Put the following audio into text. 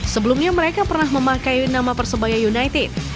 sebelumnya mereka pernah memakai nama persebaya united